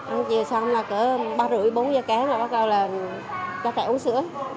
ăn chiều xong là cỡ ba rưỡi bốn giờ kém là bắt đầu là cho trẻ uống sữa